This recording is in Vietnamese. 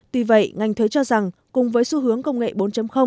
tuy vậy ngành thuế cho rằng cùng với xu hướng công nghệ bốn